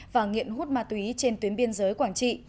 và nghiện hút ma túy trên tuyến biên giới quảng trị